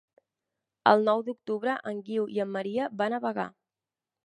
El nou d'octubre en Guiu i en Maria van a Bagà.